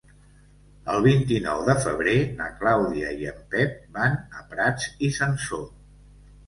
El vint-i-nou de febrer na Clàudia i en Pep van a Prats i Sansor.